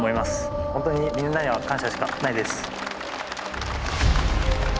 ホントにみんなには感謝しかないです。